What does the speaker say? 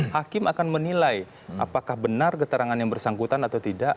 hakim akan menilai apakah benar keterangan yang bersangkutan atau tidak